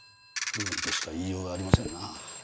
不運としか言いようがありませんな。